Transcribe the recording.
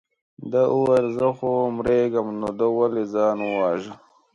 ده وویل زه خو مرېږم نو ده ولې ځان وواژه.